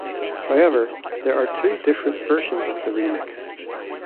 However, there are two different versions of the remix.